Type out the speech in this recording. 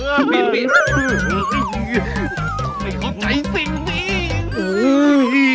ต้องไม่เข้าใจสิ่งนี้